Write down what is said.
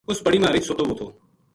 اُس پڑی ما رچھ سُتو وو تھو